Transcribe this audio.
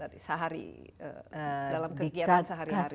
dalam kegiatan sehari hari